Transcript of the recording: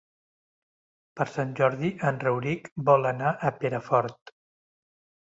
Per Sant Jordi en Rauric vol anar a Perafort.